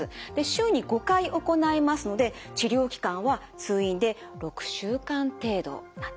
週に５回行いますので治療期間は通院で６週間程度となっています。